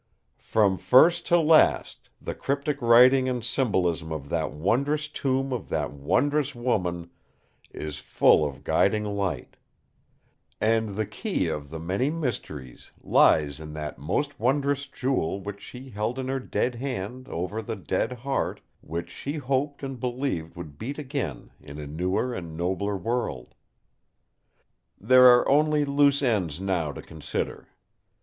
"From first to last the cryptic writing and symbolism of that wondrous tomb of that wondrous woman is full of guiding light; and the key of the many mysteries lies in that most wondrous Jewel which she held in her dead hand over the dead heart, which she hoped and believed would beat again in a newer and nobler world! "There are only loose ends now to consider.